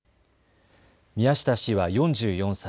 宮下氏は４４歳。